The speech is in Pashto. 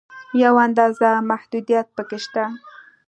یوه اندازه محدودیت په کې شته.